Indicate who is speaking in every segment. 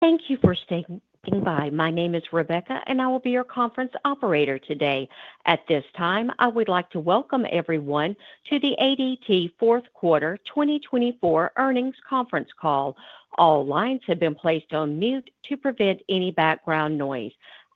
Speaker 1: Thank you for standing by. My name is Rebecca, and I will be your conference operator today. At this time, I would like to welcome everyone to the ADT Fourth Quarter 2024 earnings conference call. All lines have been placed on mute to prevent any background noise.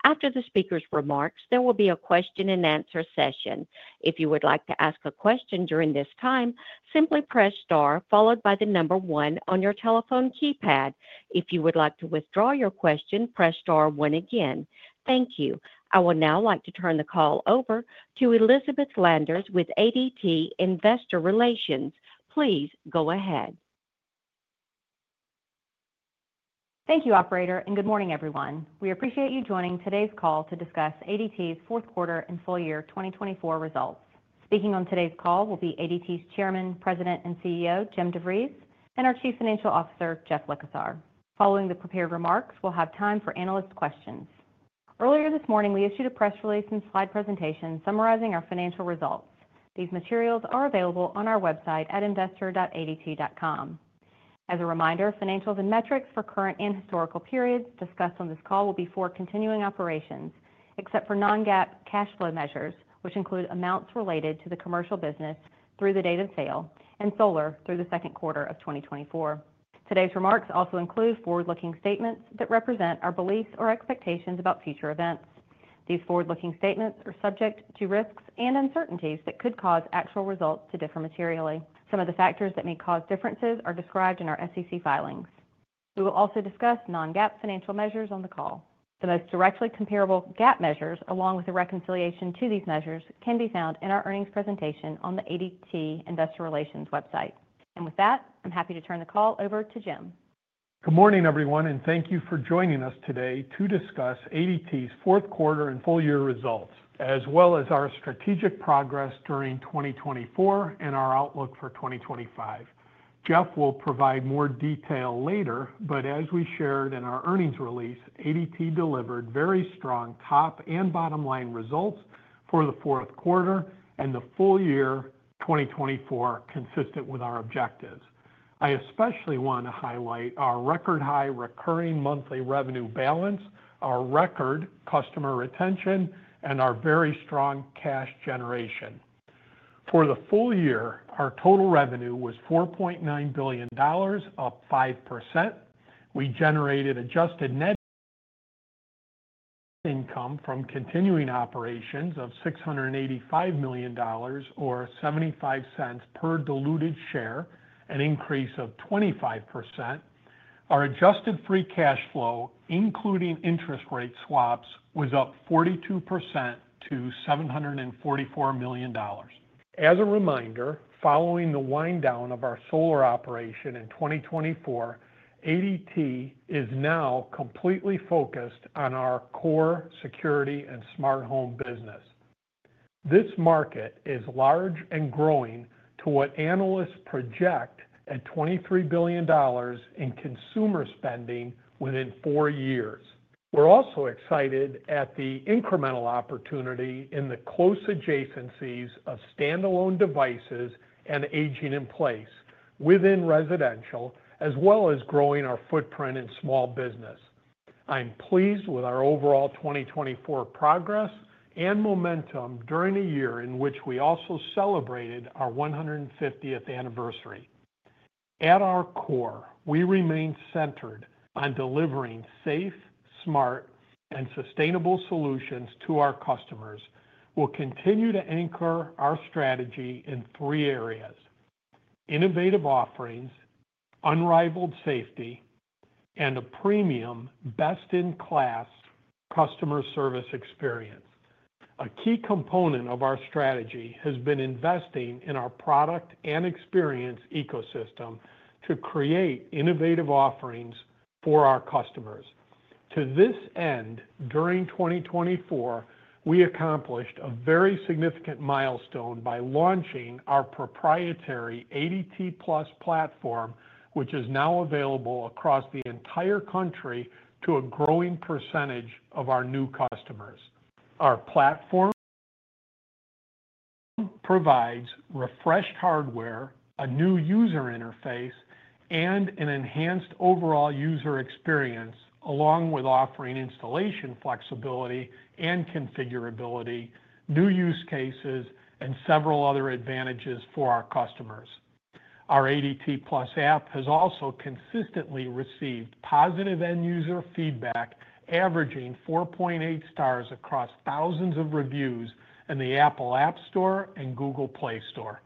Speaker 1: After the speaker's remarks, there will be a question-and-answer session. If you would like to ask a question during this time, simply press star followed by the number one on your telephone keypad. If you would like to withdraw your question, press star one again. Thank you. I would now like to turn the call over to Elizabeth Landers with ADT Investor Relations. Please go ahead.
Speaker 2: Thank you, Operator, and good morning, everyone. We appreciate you joining today's call to discuss ADT's fourth quarter and full year 2024 results. Speaking on today's call will be ADT's Chairman, President, and CEO, Jim DeVries, and our Chief Financial Officer, Jeff Likosar. Following the prepared remarks, we'll have time for analyst questions. Earlier this morning, we issued a press release and slide presentation summarizing our financial results. These materials are available on our website at investor.adt.com. As a reminder, financials and metrics for current and historical periods discussed on this call will be for continuing operations, except for non-GAAP cash flow measures, which include amounts related to the commercial business through the date of sale and solar through the second quarter of 2024. Today's remarks also include forward-looking statements that represent our beliefs or expectations about future events. These forward-looking statements are subject to risks and uncertainties that could cause actual results to differ materially. Some of the factors that may cause differences are described in our SEC filings. We will also discuss non-GAAP financial measures on the call. The most directly comparable GAAP measures, along with a reconciliation to these measures, can be found in our earnings presentation on the ADT Investor Relations website, and with that, I'm happy to turn the call over to Jim.
Speaker 3: Good morning, everyone, and thank you for joining us today to discuss ADT's fourth quarter and full year results, as well as our strategic progress during 2024 and our outlook for 2025. Jeff will provide more detail later, but as we shared in our earnings release, ADT delivered very strong top and bottom line results for the fourth quarter and the full year 2024, consistent with our objectives. I especially want to highlight our record high recurring monthly revenue balance, our record customer retention, and our very strong cash generation. For the full year, our total revenue was $4.9 billion, up 5%. We generated adjusted net income from continuing operations of $685 million, or $0.75 per diluted share, an increase of 25%. Our adjusted free cash flow, including interest rate swaps, was up 42% to $744 million. As a reminder, following the wind down of our solar operation in 2024, ADT is now completely focused on our core security and smart home business. This market is large and growing to what analysts project at $23 billion in consumer spending within four years. We're also excited at the incremental opportunity in the close adjacencies of standalone devices and aging in place within residential, as well as growing our footprint in small business. I'm pleased with our overall 2024 progress and momentum during a year in which we also celebrated our 150th anniversary. At our core, we remain centered on delivering safe, smart, and sustainable solutions to our customers. We'll continue to anchor our strategy in three areas: innovative offerings, unrivaled safety, and a premium, best-in-class customer service experience. A key component of our strategy has been investing in our product and experience ecosystem to create innovative offerings for our customers. To this end, during 2024, we accomplished a very significant milestone by launching our proprietary ADT+ platform, which is now available across the entire country to a growing percentage of our new customers. Our platform provides refreshed hardware, a new user interface, and an enhanced overall user experience, along with offering installation flexibility and configurability, new use cases, and several other advantages for our customers. Our ADT+ app has also consistently received positive end-user feedback, averaging 4.8 stars across thousands of reviews in the Apple App Store and Google Play Store.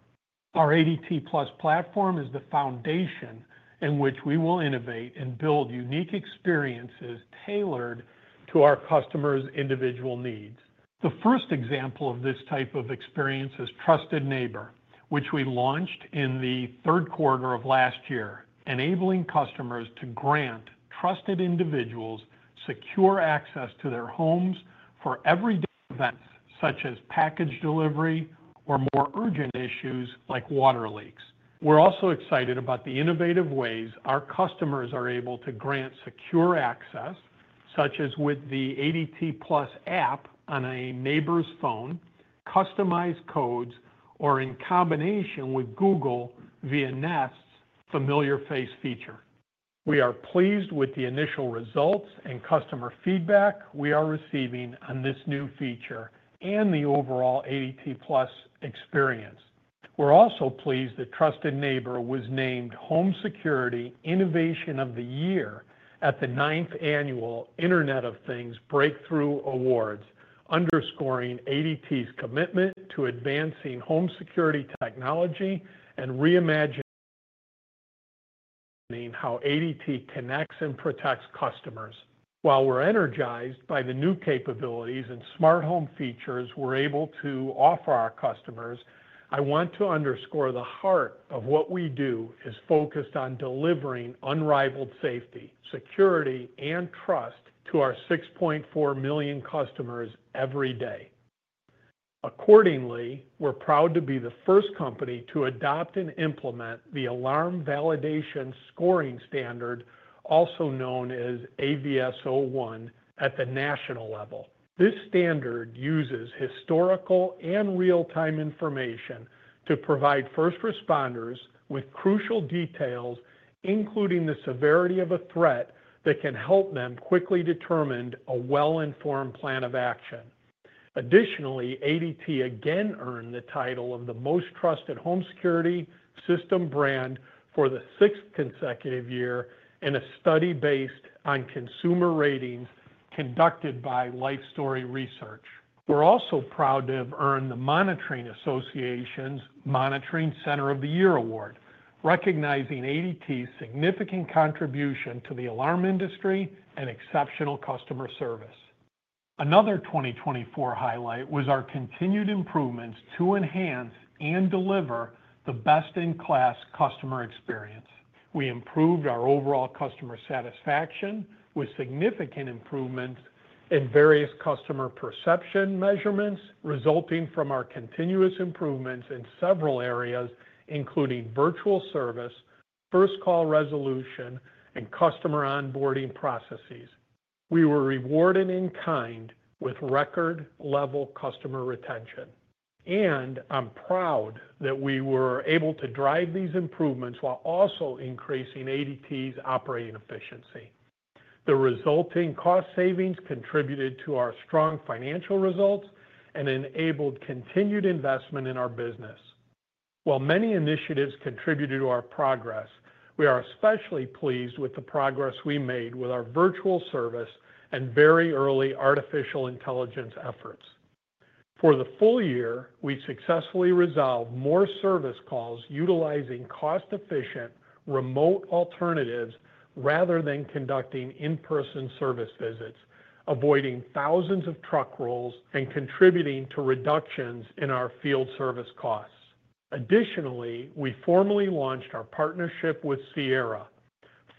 Speaker 3: Our ADT+ platform is the foundation in which we will innovate and build unique experiences tailored to our customers' individual needs. The first example of this type of experience is Trusted Neighbor, which we launched in the third quarter of last year, enabling customers to grant trusted individuals secure access to their homes for everyday events such as package delivery or more urgent issues like water leaks. We're also excited about the innovative ways our customers are able to grant secure access, such as with the ADT+ app on a neighbor's phone, customized codes, or in combination with Google via Nest's familiar face feature. We are pleased with the initial results and customer feedback we are receiving on this new feature and the overall ADT+ experience. We're also pleased that Trusted Neighbor was named Home Security Innovation of the Year at the ninth annual Internet of Things Breakthrough Awards, underscoring ADT's commitment to advancing home security technology and reimagining how ADT connects and protects customers. While we're energized by the new capabilities and smart home features we're able to offer our customers, I want to underscore the heart of what we do is focused on delivering unrivaled safety, security, and trust to our 6.4 million customers every day. Accordingly, we're proud to be the first company to adopt and implement the Alarm Validation Scoring Standard, also known as AVS-01, at the national level. This standard uses historical and real-time information to provide first responders with crucial details, including the severity of a threat, that can help them quickly determine a well-informed plan of action. Additionally, ADT again earned the title of the most trusted home security system brand for the sixth consecutive year in a study based on consumer ratings conducted by Lifestory Research. We're also proud to have earned The Monitoring Association's Monitoring Center of the Year award, recognizing ADT's significant contribution to the alarm industry and exceptional customer service. Another 2024 highlight was our continued improvements to enhance and deliver the best-in-class customer experience. We improved our overall customer satisfaction with significant improvements in various customer perception measurements resulting from our continuous improvements in several areas, including virtual service, first call resolution, and customer onboarding processes. We were rewarded with record-level customer retention, and I'm proud that we were able to drive these improvements while also increasing ADT's operating efficiency. The resulting cost savings contributed to our strong financial results and enabled continued investment in our business. While many initiatives contributed to our progress, we are especially pleased with the progress we made with our virtual service and very early artificial intelligence efforts. For the full year, we successfully resolved more service calls utilizing cost-efficient remote alternatives rather than conducting in-person service visits, avoiding thousands of truck rolls and contributing to reductions in our field service costs. Additionally, we formally launched our partnership with Sierra,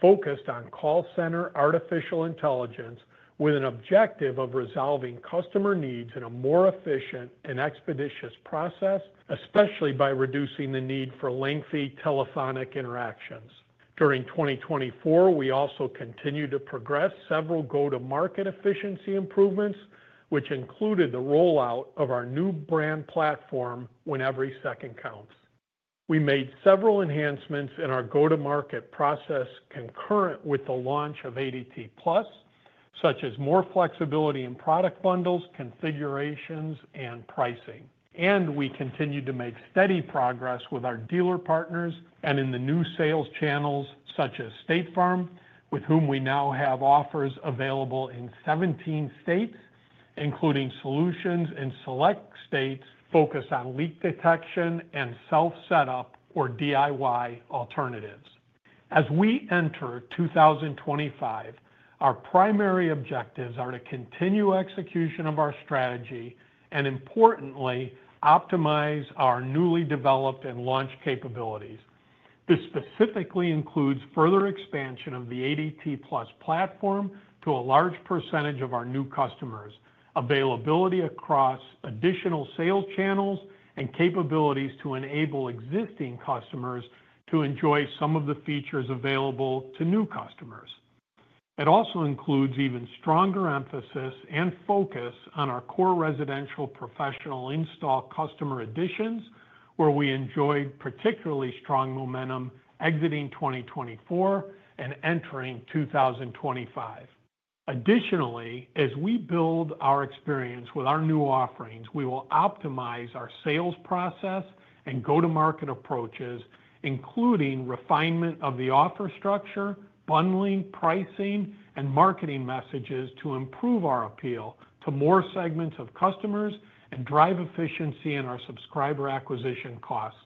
Speaker 3: focused on call center Artificial Intelligence, with an objective of resolving customer needs in a more efficient and expeditious process, especially by reducing the need for lengthy telephonic interactions. During 2024, we also continued to progress several go-to-market efficiency improvements, which included the rollout of our new brand platform, When Every Second Counts. We made several enhancements in our go-to-market process concurrent with the launch of ADT+, such as more flexibility in product bundles, configurations, and pricing. We continued to make steady progress with our dealer partners and in the new sales channels, such as State Farm, with whom we now have offers available in 17 states, including solutions in select states focused on leak detection and self-setup or DIY alternatives. As we enter 2025, our primary objectives are to continue execution of our strategy and, importantly, optimize our newly developed and launched capabilities. This specifically includes further expansion of the ADT+ platform to a large percentage of our new customers, availability across additional sales channels, and capabilities to enable existing customers to enjoy some of the features available to new customers. It also includes even stronger emphasis and focus on our core residential professional install customer additions, where we enjoyed particularly strong momentum exiting 2024 and entering 2025. Additionally, as we build our experience with our new offerings, we will optimize our sales process and go-to-market approaches, including refinement of the offer structure, bundling, pricing, and marketing messages to improve our appeal to more segments of customers and drive efficiency in our subscriber acquisition cost.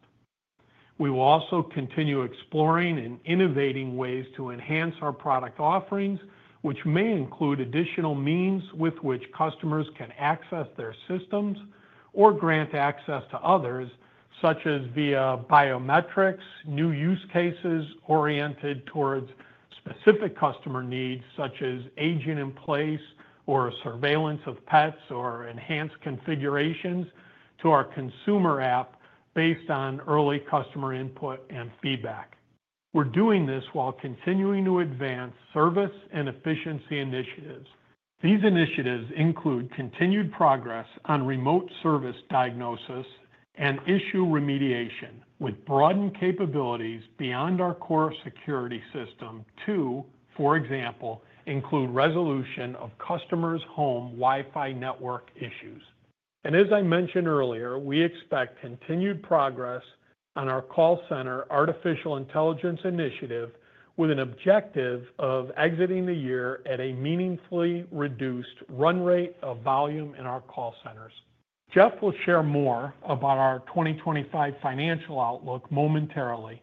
Speaker 3: We will also continue exploring and innovating ways to enhance our product offerings, which may include additional means with which customers can access their systems or grant access to others, such as via biometrics, new use cases oriented towards specific customer needs, such as aging in place or surveillance of pets or enhanced configurations to our consumer app based on early customer input and feedback. We're doing this while continuing to advance service and efficiency initiatives. These initiatives include continued progress on remote service diagnosis and issue remediation with broadened capabilities beyond our core security system to, for example, include resolution of customers' home Wi-Fi network issues. And as I mentioned earlier, we expect continued progress on our call center artificial intelligence initiative with an objective of exiting the year at a meaningfully reduced run rate of volume in our call centers. Jeff will share more about our 2025 financial outlook momentarily,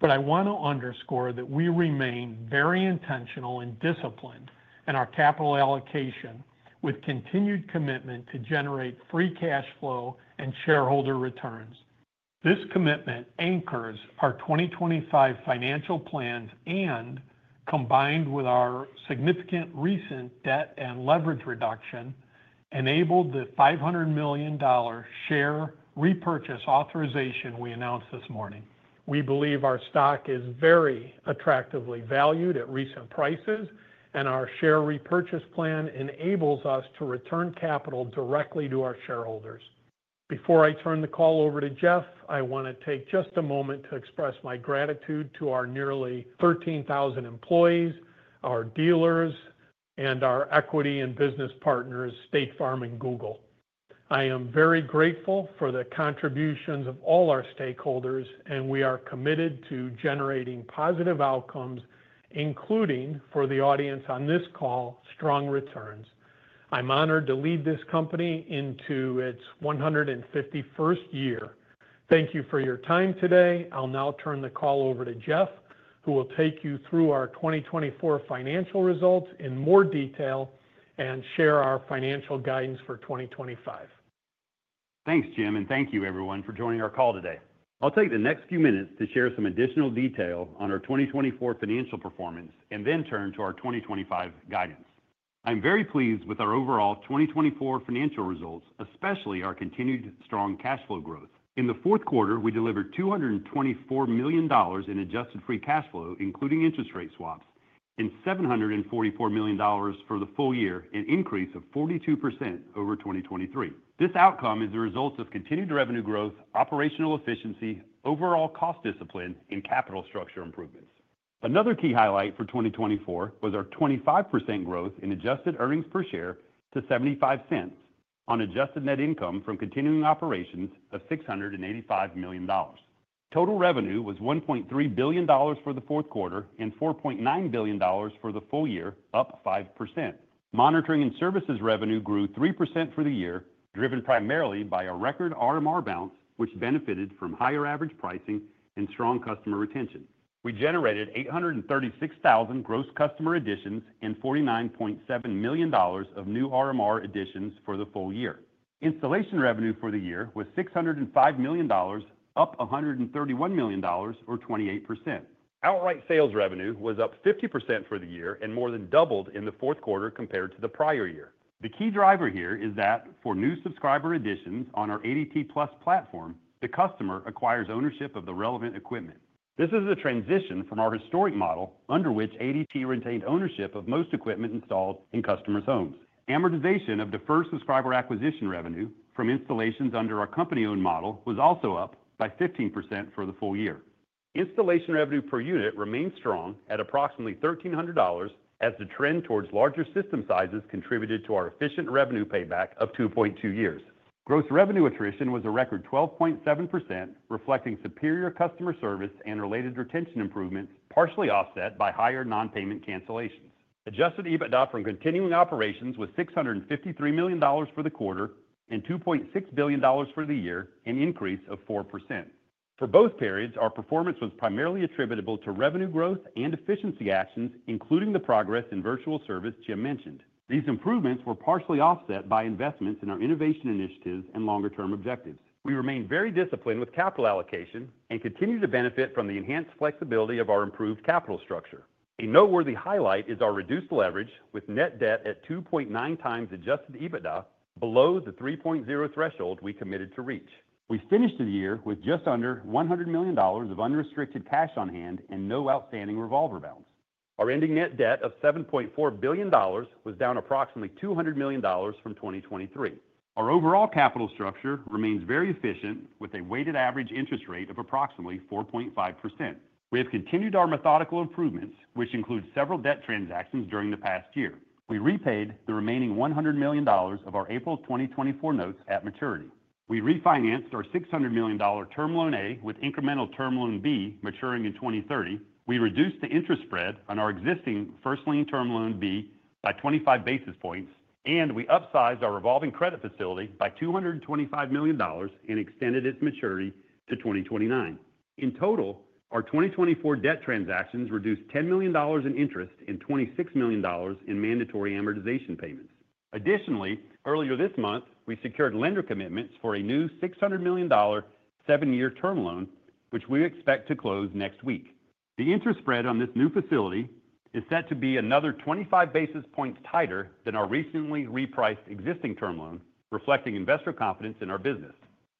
Speaker 3: but I want to underscore that we remain very intentional and disciplined in our capital allocation, with continued commitment to generate free cash flow and shareholder returns. This commitment anchors our 2025 financial plans and, combined with our significant recent debt and leverage reduction, enabled the $500 million share repurchase authorization we announced this morning. We believe our stock is very attractively valued at recent prices, and our share repurchase plan enables us to return capital directly to our shareholders. Before I turn the call over to Jeff, I want to take just a moment to express my gratitude to our nearly 13,000 employees, our dealers, and our equity and business partners, State Farm and Google. I am very grateful for the contributions of all our stakeholders, and we are committed to generating positive outcomes, including, for the audience on this call, strong returns. I'm honored to lead this company into its 151st year. Thank you for your time today. I'll now turn the call over to Jeff, who will take you through our 2024 financial results in more detail and share our financial guidance for 2025.
Speaker 4: Thanks, Jim, and thank you, everyone, for joining our call today. I'll take the next few minutes to share some additional detail on our 2024 financial performance and then turn to our 2025 guidance. I'm very pleased with our overall 2024 financial results, especially our continued strong cash flow growth. In the fourth quarter, we delivered $224 million in adjusted free cash flow, including interest rate swaps, and $744 million for the full year, an increase of 42% over 2023. This outcome is the result of continued revenue growth, operational efficiency, overall cost discipline, and capital structure improvements. Another key highlight for 2024 was our 25% growth in adjusted earnings per share to $0.75 on adjusted net income from continuing operations of $685 million. Total revenue was $1.3 billion for the fourth quarter and $4.9 billion for the full year, up 5%. Monitoring and services revenue grew 3% for the year, driven primarily by a record RMR boost, which benefited from higher average pricing and strong customer retention. We generated 836,000 gross customer additions and $49.7 million of new RMR additions for the full year. Installation revenue for the year was $605 million, up $131 million or 28%. Outright sales revenue was up 50% for the year and more than doubled in the fourth quarter compared to the prior year. The key driver here is that for new subscriber additions on our ADT+ platform, the customer acquires ownership of the relevant equipment. This is a transition from our historic model, under which ADT retained ownership of most equipment installed in customers' homes. Amortization of deferred subscriber acquisition revenue from installations under our company-owned model was also up by 15% for the full year. Installation revenue per unit remained strong at approximately $1,300, as the trend towards larger system sizes contributed to our efficient revenue payback of 2.2 years. Gross revenue attrition was a record 12.7%, reflecting superior customer service and related retention improvements, partially offset by higher non-payment cancellations. Adjusted EBITDA from continuing operations was $653 million for the quarter and $2.6 billion for the year, an increase of 4%. For both periods, our performance was primarily attributable to revenue growth and efficiency actions, including the progress in virtual service Jim mentioned. These improvements were partially offset by investments in our innovation initiatives and longer-term objectives. We remain very disciplined with capital allocation and continue to benefit from the enhanced flexibility of our improved capital structure. A noteworthy highlight is our reduced leverage, with net debt at 2.9 times adjusted EBITDA, below the 3.0 threshold we committed to reach. We finished the year with just under $100 million of unrestricted cash on hand and no outstanding revolver balance. Our ending net debt of $7.4 billion was down approximately $200 million from 2023. Our overall capital structure remains very efficient, with a weighted average interest rate of approximately 4.5%. We have continued our methodical improvements, which include several debt transactions during the past year. We repaid the remaining $100 million of our April 2024 notes at maturity. We refinanced our $600 million term loan A with incremental term loan B maturing in 2030. We reduced the interest spread on our existing first lien term loan B by 25 basis points, and we upsized our revolving credit facility by $225 million and extended its maturity to 2029. In total, our 2024 debt transactions reduced $10 million in interest and $26 million in mandatory amortization payments. Additionally, earlier this month, we secured lender commitments for a new $600 million seven-year term loan, which we expect to close next week. The interest spread on this new facility is set to be another 25 basis points tighter than our recently repriced existing term loan, reflecting investor confidence in our business.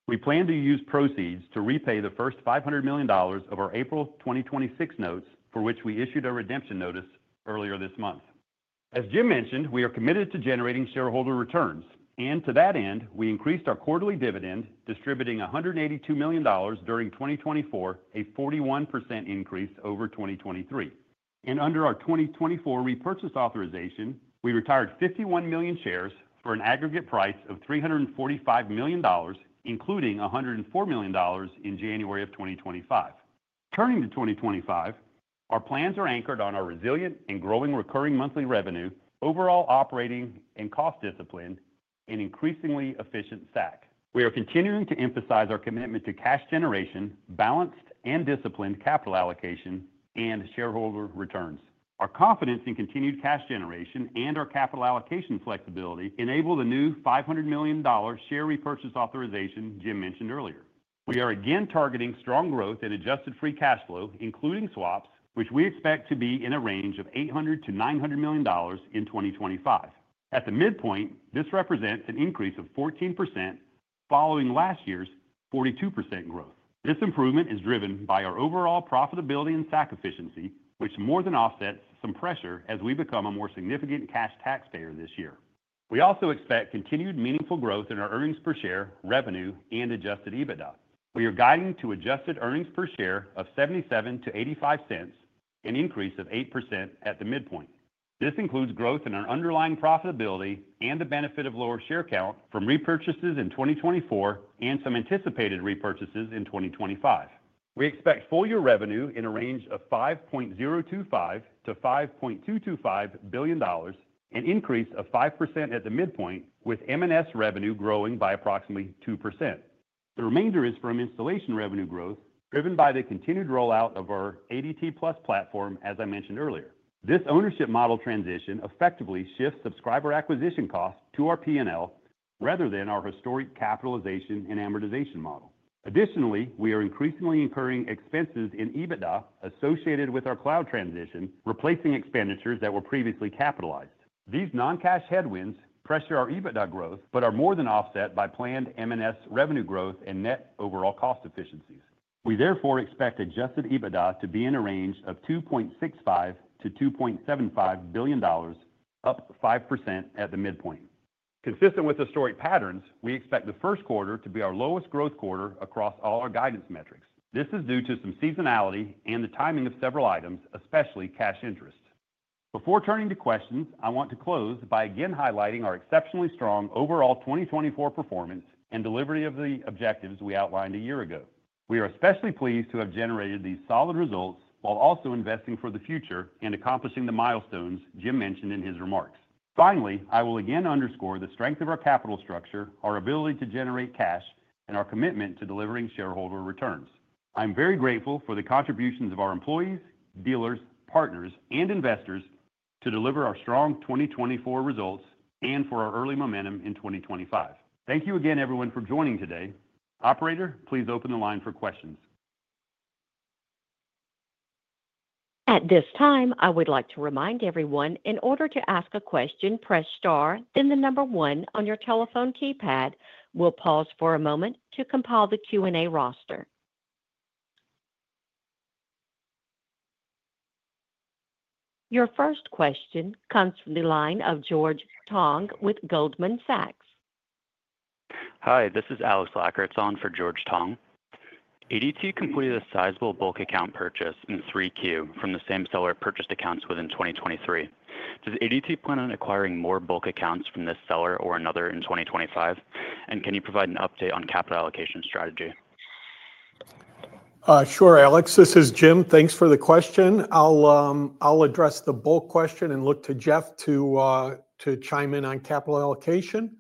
Speaker 4: We plan to use proceeds to repay the first $500 million of our April 2026 notes, for which we issued a redemption notice earlier this month. As Jim mentioned, we are committed to generating shareholder returns, and to that end, we increased our quarterly dividend, distributing $182 million during 2024, a 41% increase over 2023. And under our 2024 repurchase authorization, we retired 51 million shares for an aggregate price of $345 million, including $104 million in January of 2025. Turning to 2025, our plans are anchored on our resilient and growing recurring monthly revenue, overall operating and cost discipline, and increasingly efficient SAC. We are continuing to emphasize our commitment to cash generation, balanced and disciplined capital allocation, and shareholder returns. Our confidence in continued cash generation and our capital allocation flexibility enabled a new $500 million share repurchase authorization Jim mentioned earlier. We are again targeting strong growth in adjusted free cash flow, including swaps, which we expect to be in a range of $800-$900 million in 2025. At the midpoint, this represents an increase of 14% following last year's 42% growth. This improvement is driven by our overall profitability and SAC efficiency, which more than offsets some pressure as we become a more significant cash taxpayer this year. We also expect continued meaningful growth in our earnings per share revenue and adjusted EBITDA. We are guiding to adjusted earnings per share of $0.77-$0.85, an increase of 8% at the midpoint. This includes growth in our underlying profitability and the benefit of lower share count from repurchases in 2024 and some anticipated repurchases in 2025. We expect full-year revenue in a range of $5.025-$5.225 billion, an increase of 5% at the midpoint, with M&S revenue growing by approximately 2%. The remainder is from installation revenue growth, driven by the continued rollout of our ADT+ platform, as I mentioned earlier. This ownership model transition effectively shifts subscriber acquisition costs to our P&L rather than our historic capitalization and amortization model. Additionally, we are increasingly incurring expenses in EBITDA associated with our cloud transition, replacing expenditures that were previously capitalized. These non-cash headwinds pressure our EBITDA growth, but are more than offset by planned M&S revenue growth and net overall cost efficiencies. We therefore expect Adjusted EBITDA to be in a range of $2.65-$2.75 billion, up 5% at the midpoint. Consistent with historic patterns, we expect the first quarter to be our lowest growth quarter across all our guidance metrics. This is due to some seasonality and the timing of several items, especially cash interest. Before turning to questions, I want to close by again highlighting our exceptionally strong overall 2024 performance and delivery of the objectives we outlined a year ago. We are especially pleased to have generated these solid results while also investing for the future and accomplishing the milestones Jim mentioned in his remarks. Finally, I will again underscore the strength of our capital structure, our ability to generate cash, and our commitment to delivering shareholder returns. I'm very grateful for the contributions of our employees, dealers, partners, and investors to deliver our strong 2024 results and for our early momentum in 2025. Thank you again, everyone, for joining today. Operator, please open the line for questions.
Speaker 1: At this time, I would like to remind everyone, in order to ask a question, press star, then the number one on your telephone keypad. We'll pause for a moment to compile the Q&A roster. Your first question comes from the line of George Tong with Goldman Sachs
Speaker 5: Hi, this is Alec Locker. It's on for George Tong. ADT completed a sizable bulk account purchase in Q3 from the same seller purchased accounts within 2023. Does ADT plan on acquiring more bulk accounts from this seller or another in 2025? And can you provide an update on capital allocation strategy?
Speaker 3: Sure, Alex. This is Jim. Thanks for the question. I'll address the bulk question and look to Jeff to chime in on capital allocation.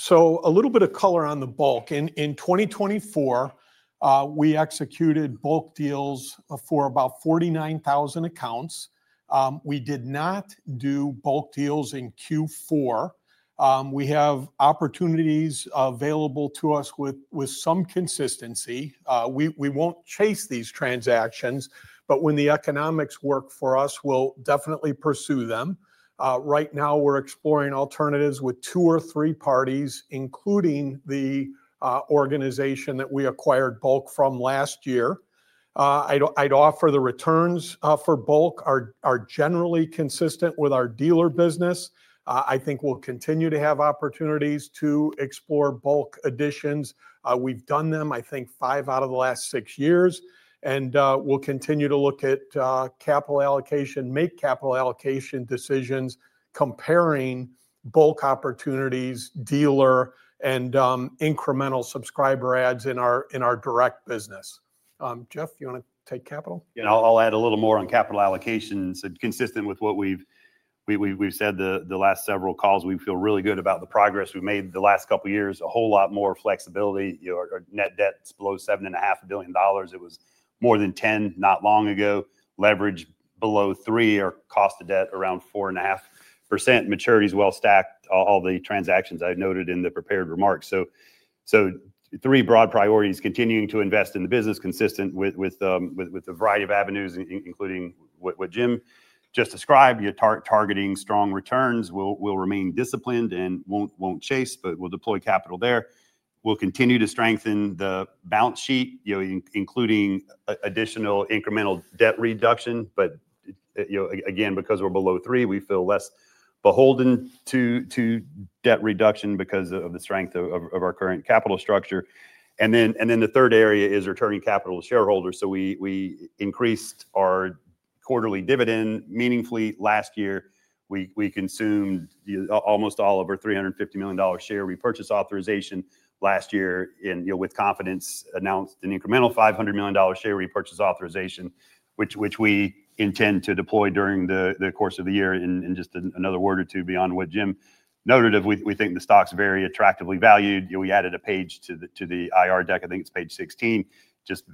Speaker 3: So, a little bit of color on the bulk. In 2024, we executed bulk deals for about 49,000 accounts. We did not do bulk deals in Q4. We have opportunities available to us with some consistency. We won't chase these transactions, but when the economics work for us, we'll definitely pursue them. Right now, we're exploring alternatives with two or three parties, including the organization that we acquired bulk from last year. I'd offer the returns for bulk are generally consistent with our dealer business. I think we'll continue to have opportunities to explore bulk additions. We've done them, I think, five out of the last six years. And we'll continue to look at capital allocation, make capital allocation decisions, comparing bulk opportunities, dealer, and incremental subscriber adds in our direct business. Jeff, do you want to take capital?
Speaker 4: Yeah, I'll add a little more on capital allocation. Consistent with what we've said the last several calls, we feel really good about the progress we've made the last couple of years. A whole lot more flexibility. Our net debt is below $7.5 billion. It was more than ten not long ago. Leverage below three or cost of debt around 4.5%. Maturity is well stacked. All the transactions I noted in the prepared remarks. So three broad priorities: continuing to invest in the business, consistent with a variety of avenues, including what Jim just described. You're targeting strong returns. We'll remain disciplined and won't chase, but we'll deploy capital there. We'll continue to strengthen the balance sheet, including additional incremental debt reduction. But again, because we're below three, we feel less beholden to debt reduction because of the strength of our current capital structure. And then the third area is returning capital to shareholders. So we increased our quarterly dividend meaningfully last year. We consumed almost all of our $350 million share repurchase authorization last year. And with confidence, announced an incremental $500 million share repurchase authorization, which we intend to deploy during the course of the year. And just another word or two beyond what Jim noted, we think the stock's very attractively valued. We added a page to the IR deck I think it's page 16 just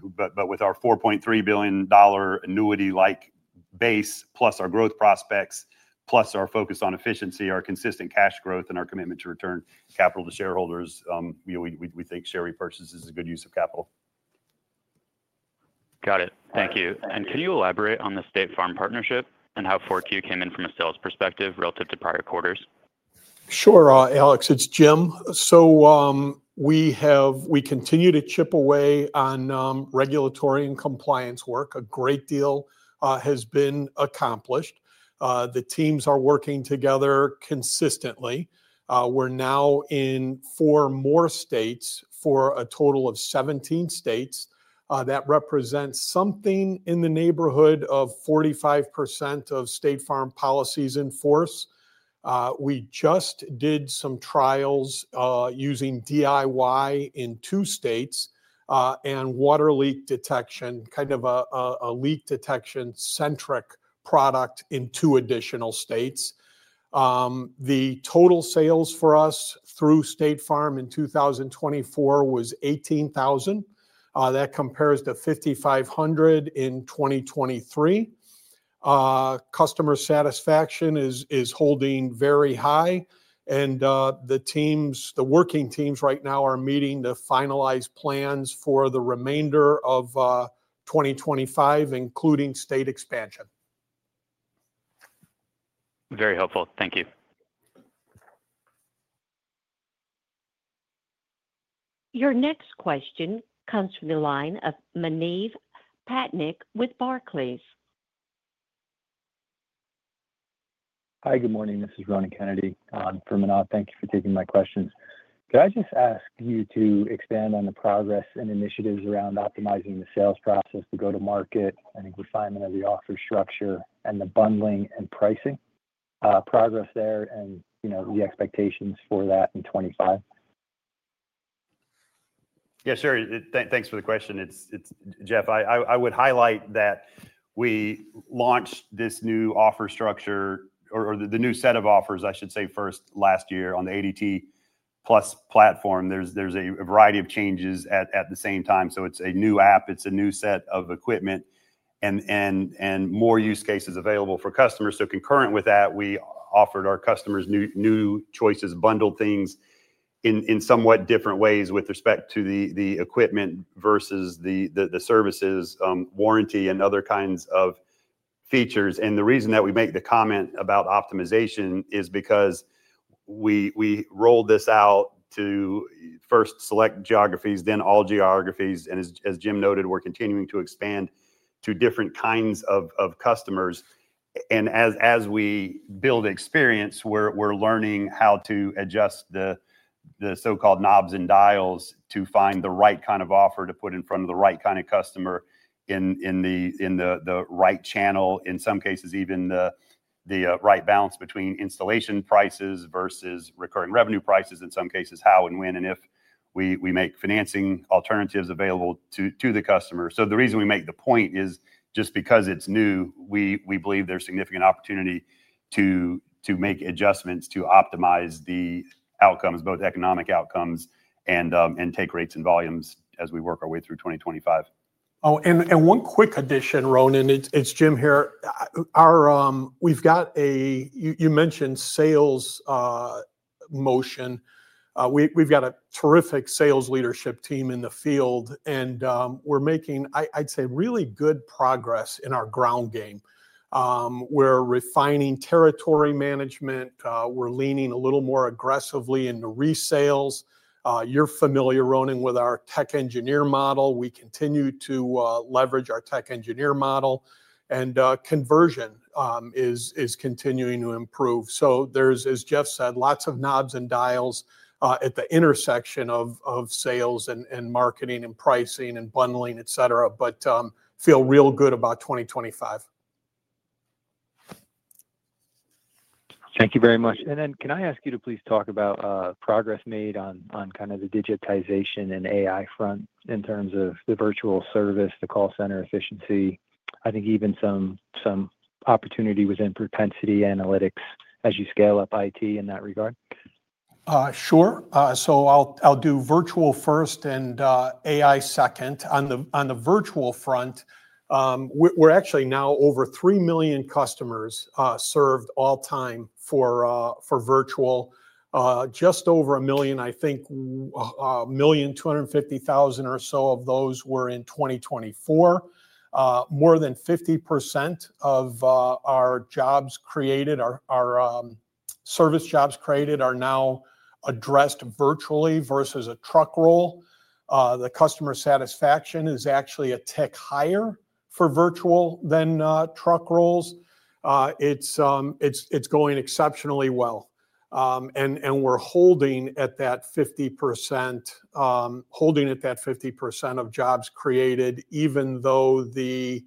Speaker 4: with our $4.3 billion annuity-like base, plus our growth prospects, plus our focus on efficiency, our consistent cash growth, and our commitment to return capital to shareholders, we think share repurchase is a good use of capital.
Speaker 6: Got it. Thank you. And can you elaborate on the State Farm partnership and how 4Q came in from a sales perspective relative to prior quarters?
Speaker 3: Sure, Alex. It's Jim. So we continue to chip away on regulatory and compliance work. A great deal has been accomplished. The teams are working together consistently. We're now in four more states for a total of 17 states. That represents something in the neighborhood of 45% of State Farm policies in force. We just did some trials using DIY in two states and water leak detection, kind of a leak detection-centric product in two additional states. The total sales for us through State Farm in 2024 was 18,000. That compares to 5,500 in 2023. Customer satisfaction is holding very high, and the working teams right now are meeting to finalize plans for the remainder of 2025, including state expansion.
Speaker 5: Very helpful. Thank you.
Speaker 1: Your next question comes from the line of Manav Patnaik with Barclays.
Speaker 7: Hi, good morning. This is Ronan Kennedy on behalf of Manav Patnaik. Thank you for taking my questions. Could I just ask you to expand on the progress and initiatives around optimizing the sales process, the go-to-market, and refinement of the offer structure, and the bundling and pricing progress there, and the expectations for that in 2025?
Speaker 4: Yes, sir. Thanks for the question. Jeff, I would highlight that we launched this new offer structure, or the new set of offers, I should say, first last year on the ADT+ platform. There's a variety of changes at the same time. So it's a new app. It's a new set of equipment and more use cases available for customers. So concurrent with that, we offered our customers new choices, bundled things in somewhat different ways with respect to the equipment versus the services, warranty, and other kinds of features. And the reason that we make the comment about optimization is because we rolled this out to first select geographies, then all geographies. And as Jim noted, we're continuing to expand to different kinds of customers. And as we build experience, we're learning how to adjust the so-called knobs and dials to find the right kind of offer to put in front of the right kind of customer in the right channel, in some cases, even the right balance between installation prices versus recurring revenue prices, in some cases, how and when and if we make financing alternatives available to the customer. So the reason we make the point is just because it's new, we believe there's significant opportunity to make adjustments to optimize the outcomes, both economic outcomes, and take rates and volumes as we work our way through 2025.
Speaker 3: Oh, and one quick addition, Ronan, it's Jim here. We've got a, you mentioned sales motion. We've got a terrific sales leadership team in the field. And we're making, I'd say, really good progress in our ground game. We're refining territory management. We're leaning a little more aggressively into resales. You're familiar, Ronan, with our tech engineer model. We continue to leverage our tech engineer model. And conversion is continuing to improve. So there's, as Jeff said, lots of knobs and dials at the intersection of sales and marketing and pricing and bundling, etc., but feel real good about 2025.
Speaker 7: Thank you very much. And then can I ask you to please talk about progress made on kind of the digitization and AI front in terms of the virtual service, the call center efficiency? I think even some opportunity was in propensity analytics as you scale up IT in that regard?
Speaker 3: Sure. So I'll do virtual first and AI second. On the virtual front, we're actually now over 3 million customers served all time for virtual. Just over a million, I think 1,250,000 or so of those were in 2024. More than 50% of our jobs created, our service jobs created, are now addressed virtually versus a truck roll. The customer satisfaction is actually a tick higher for virtual than truck rolls. It's going exceptionally well. And we're holding at that 50%, holding at that 50% of jobs created, even though the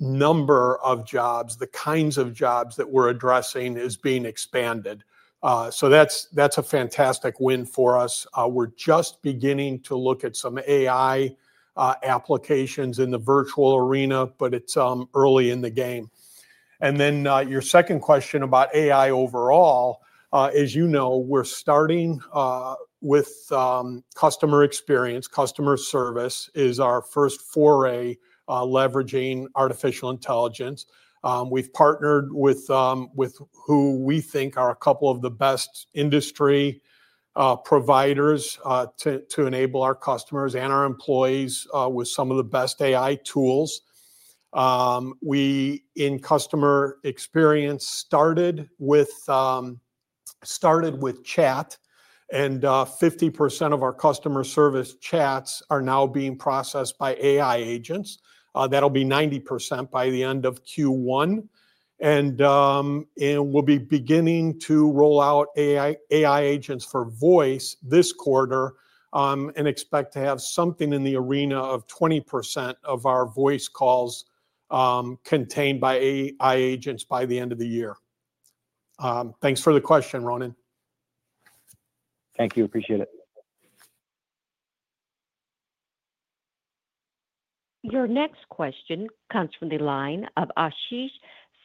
Speaker 3: number of jobs, the kinds of jobs that we're addressing is being expanded. So that's a fantastic win for us. We're just beginning to look at some AI applications in the virtual arena, but it's early in the game. And then your second question about AI overall is, you know, we're starting with customer experience. Customer service is our first foray leveraging artificial intelligence. We've partnered with who we think are a couple of the best industry providers to enable our customers and our employees with some of the best AI tools. We, in customer experience, started with chat. 50% of our customer service chats are now being processed by AI agents. That'll be 90% by the end of Q1. We'll be beginning to roll out AI agents for voice this quarter and expect to have something in the area of 20% of our voice calls contained by AI agents by the end of the year. Thanks for the question, Ronan.
Speaker 8: Thank you. Appreciate it.
Speaker 1: Your next question comes from the line of Ashish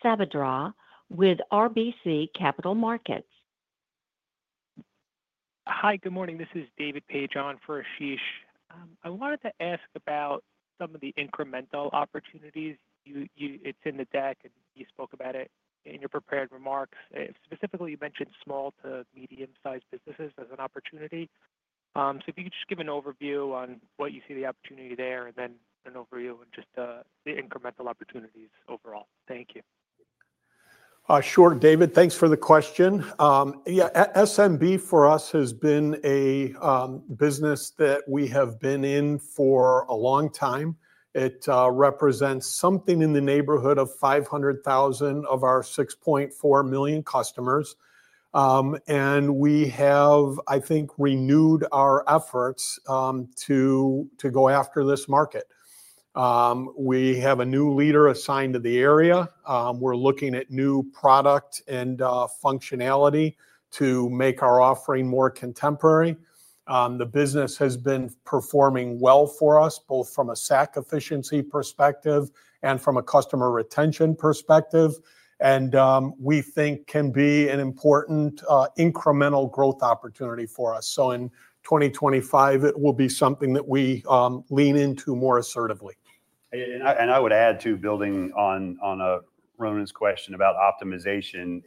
Speaker 1: Sabadra with RBC Capital Markets.
Speaker 9: Hi, good morning. This is David Paige on for Ashish. I wanted to ask about some of the incremental opportunities. It's in the deck, and you spoke about it in your prepared remarks. Specifically, you mentioned small- to medium-sized businesses as an opportunity. So if you could just give an overview on what you see the opportunity there, and then an overview on just the incremental opportunities overall? Thank you.
Speaker 3: Sure, David. Thanks for the question. Yeah, SMB for us has been a business that we have been in for a long time. It represents something in the neighborhood of 500,000 of our 6.4 million customers. And we have, I think, renewed our efforts to go after this market. We have a new leader assigned to the area. We're looking at new product and functionality to make our offering more contemporary. The business has been performing well for us, both from a SAC efficiency perspective and from a customer retention perspective. And we think can be an important incremental growth opportunity for us. So in 2025, it will be something that we lean into more assertively.
Speaker 4: And I would add, building on Ronan's question about optimization,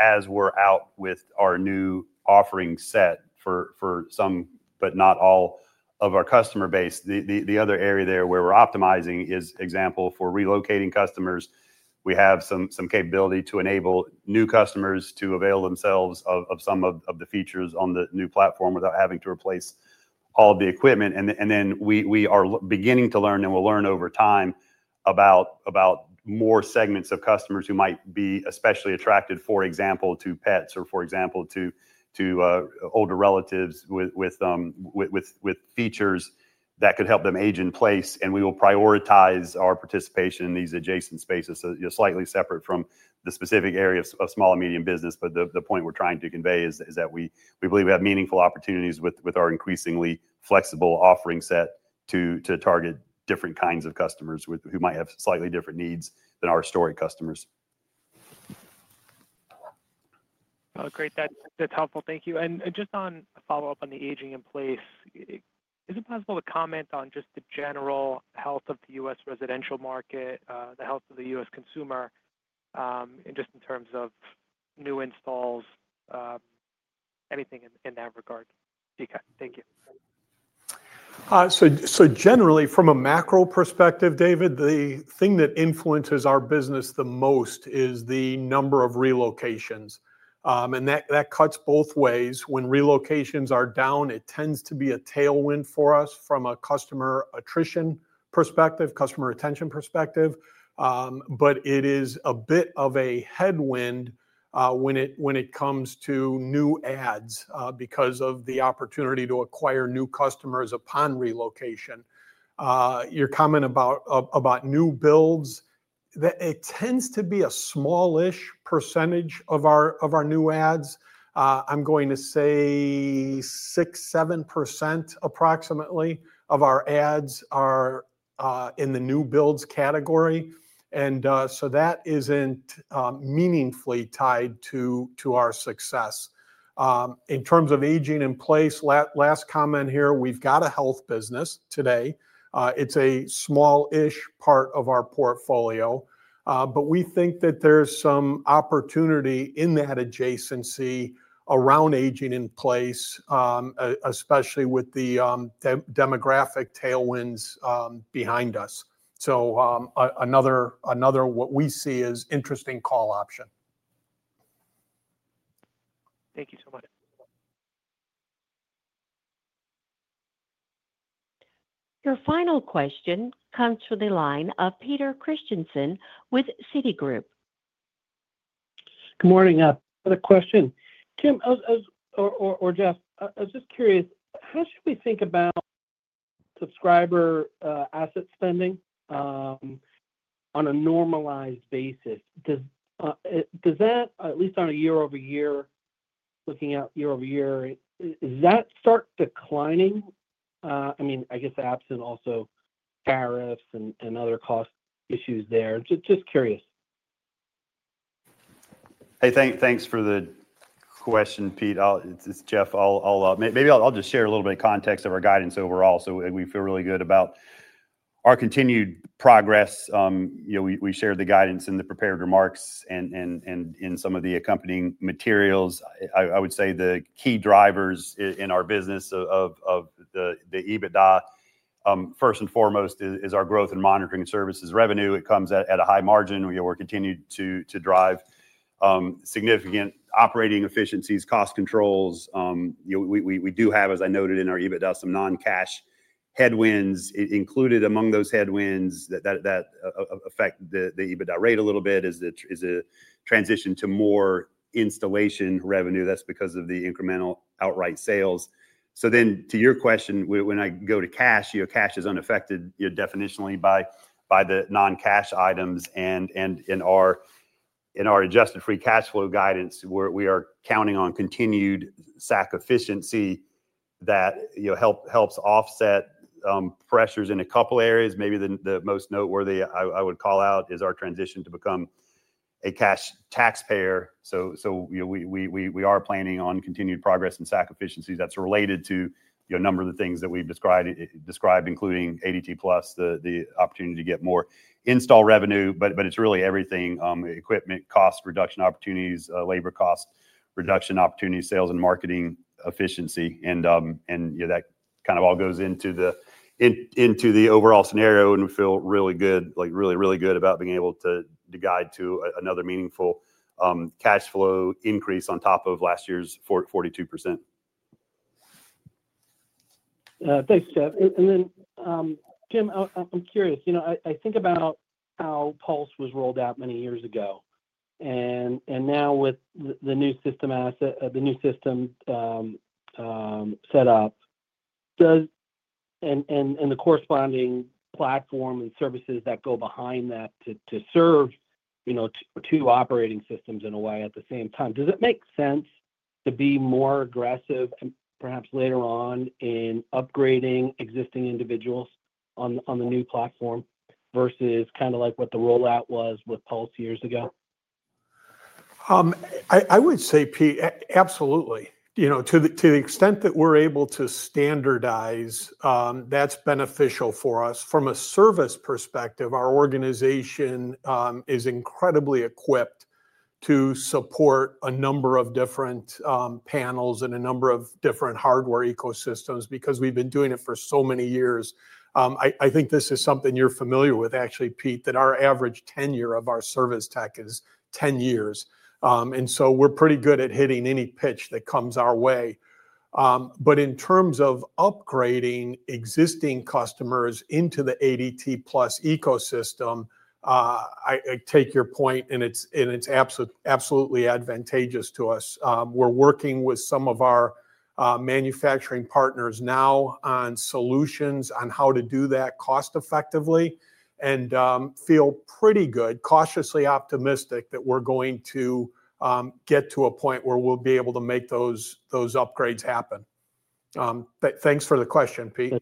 Speaker 4: as we're out with our new offering set for some, but not all, of our customer base, the other area there where we're optimizing is, for example, for relocating customers. We have some capability to enable new customers to avail themselves of some of the features on the new platform without having to replace all of the equipment. And then we are beginning to learn, and we'll learn over time, about more segments of customers who might be especially attracted, for example, to pets or, for example, to older relatives with features that could help them age in place. And we will prioritize our participation in these adjacent spaces. So, slightly separate from the specific area of small and medium business. But the point we're trying to convey is that we believe we have meaningful opportunities with our increasingly flexible offering set to target different kinds of customers who might have slightly different needs than our historic customers.
Speaker 9: Oh, great. That's helpful. Thank you. And just on follow-up on the aging in place, is it possible to comment on just the general health of the US residential market, the health of the US consumer, and just in terms of new installs, anything in that regard? Thank you.
Speaker 3: So generally, from a macro perspective, David, the thing that influences our business the most is the number of relocations. And that cuts both ways. When relocations are down, it tends to be a tailwind for us from a customer attrition perspective, customer retention perspective. But it is a bit of a headwind when it comes to new adds because of the opportunity to acquire new customers upon relocation. Your comment about new builds, it tends to be a smallish percentage of our new adds. I'm going to say 6%-7% approximately of our adds are in the new builds category. And so that isn't meaningfully tied to our success. In terms of aging in place, last comment here, we've got a health business today. It's a smallish part of our portfolio. But we think that there's some opportunity in that adjacency around aging in place, especially with the demographic tailwinds behind us. So another what we see is interesting call option.
Speaker 9: Thank you so much.
Speaker 1: Your final question comes from the line of Peter Christiansen with Citigroup.
Speaker 10: Good morning. Another question. Jim or Jeff, I was just curious, how should we think about subscriber asset spending on a normalized basis? Does that, at least on a year-over-year, looking out year-over-year, does that start declining? I mean, I guess absent also tariffs and other cost issues there. Just curious.
Speaker 4: Hey, thanks for the question, Pete. It's Jeff. Maybe I'll just share a little bit of context of our guidance overall. So we feel really good about our continued progress. We shared the guidance in the prepared remarks and in some of the accompanying materials. I would say the key drivers in our business of the EBITDA, first and foremost, is our growth and monitoring services revenue. It comes at a high margin. We're continuing to drive significant operating efficiencies, cost controls. We do have, as I noted in our EBITDA, some non-cash headwinds. Included among those headwinds that affect the EBITDA rate a little bit is the transition to more installation revenue. That's because of the incremental outright sales, so then to your question, when I go to cash, cash is unaffected definitionally by the non-cash items, and in our adjusted free cash flow guidance, we are counting on continued SAC efficiency that helps offset pressures in a couple of areas. Maybe the most noteworthy I would call out is our transition to become a cash taxpayer, so we are planning on continued progress in SAC efficiencies that's related to a number of the things that we've described, including ADT+, the opportunity to get more install revenue, but it's really everything: equipment cost reduction opportunities, labor cost reduction opportunities, sales, and marketing efficiency, and that kind of all goes into the overall scenario. And we feel really good, really, really good about being able to guide to another meaningful cash flow increase on top of last year's 42%.
Speaker 10: Thanks, Jeff. And then, Jim, I'm curious. I think about how Pulse was rolled out many years ago. And now with the new system set up, and the corresponding platform and services that go behind that to serve two operating systems in a way at the same time, does it make sense to be more aggressive, perhaps later on, in upgrading existing individuals on the new platform versus kind of like what the rollout was with Pulse years ago?
Speaker 3: I would say, Pete, absolutely. To the extent that we're able to standardize, that's beneficial for us. From a service perspective, our organization is incredibly equipped to support a number of different panels and a number of different hardware ecosystems because we've been doing it for so many years. I think this is something you're familiar with, actually, Pete, that our average tenure of our service tech is 10 years. And so we're pretty good at hitting any pitch that comes our way. But in terms of upgrading existing customers into the ADT+ ecosystem, I take your point, and it's absolutely advantageous to us. We're working with some of our manufacturing partners now on solutions on how to do that cost-effectively and feel pretty good, cautiously optimistic that we're going to get to a point where we'll be able to make those upgrades happen. Thanks for the question, Pete.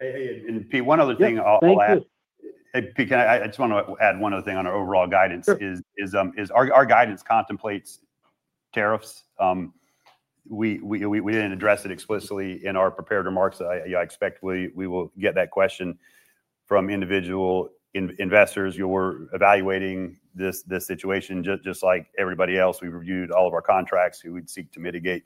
Speaker 4: Hey, Pete, one other thing.
Speaker 10: Thank you.
Speaker 4: I just want to add one other thing on our overall guidance. Our guidance contemplates tariffs. We didn't address it explicitly in our prepared remarks. I expect we will get that question from individual investors. We're evaluating this situation just like everybody else. We reviewed all of our contracts who would seek to mitigate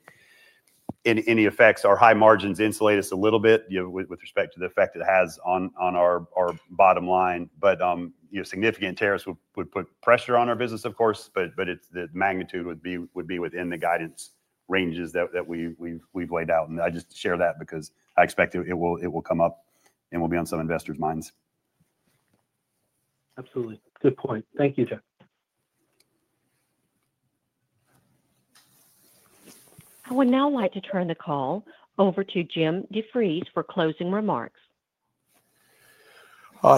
Speaker 4: any effects. Our high margins insulate us a little bit with respect to the effect it has on our bottom line. But significant tariffs would put pressure on our business, of course. But the magnitude would be within the guidance ranges that we've laid out. And I just share that because I expect it will come up and will be on some investors' minds.
Speaker 9: Absolutely. Good point. Thank you, Jeff.
Speaker 1: I would now like to turn the call over to Jim DeVries for closing remarks.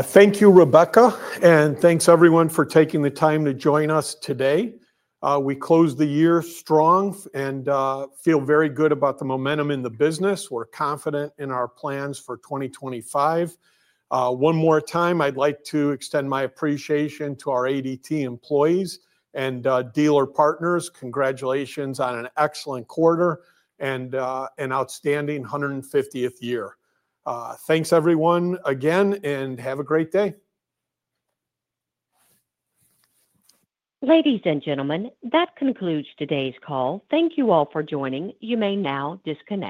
Speaker 3: Thank you, Rebecca and thanks, everyone, for taking the time to join us today. We closed the year strong and feel very good about the momentum in the business. We're confident in our plans for 2025. One more time, I'd like to extend my appreciation to our ADT employees and dealer partners. Congratulations on an excellent quarter and an outstanding 150th year. Thanks, everyone, again, and have a great day.
Speaker 1: Ladies and gentlemen, that concludes today's call. Thank you all for joining. You may now disconnect.